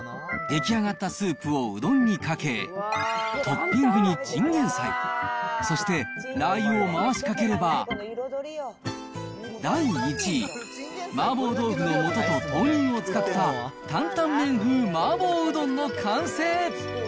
出来上がったスープをうどんにかけ、トッピングにチンゲン菜、そしてラー油を回しかければ、第１位、麻婆豆腐のもとと豆乳を使った、担々麺風麻婆うどんの完成。